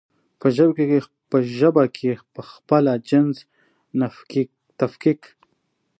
په ژبه کې پخپله د جنس تفکيک